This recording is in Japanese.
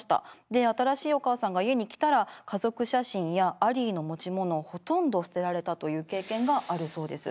で新しいお母さんが家に来たら家族写真やアリーの持ち物をほとんど捨てられたという経験があるそうです。